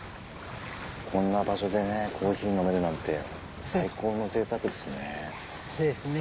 こんな場所でコーヒー飲めるなんて最高の贅沢ですね。